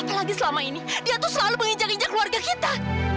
apalagi selama ini dia tuh selalu menginjak injak keluarga kita